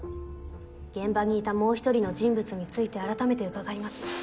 現場にいたもう１人の人物について改めて伺います。